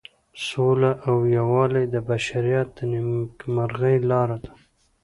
سوله او یووالی د بشریت د نیکمرغۍ لاره ده.